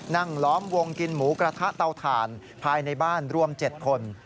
ล้อมวงกินหมูกระทะเตาถ่านภายในบ้านรวม๗คน